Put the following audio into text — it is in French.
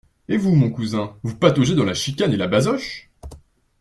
Et vous, mon cousin, vous pataugez dans la chicane et la basoche?